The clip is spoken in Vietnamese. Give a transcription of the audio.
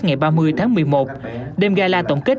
ngày ba mươi tháng một mươi một đêm gai la tổng kết